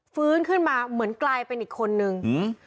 ฟื้นขึ้นมาเหมือนกลายเป็นอีกคนนึงอืม